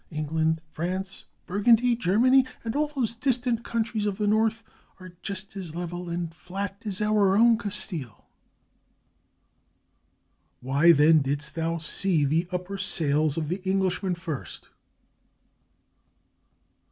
England, France, Burgundy, Germany, and all those distant countries of the north, are just as level and flat as our own Castile." "Why, then, didst thou see the upper sails of the Englishman first?"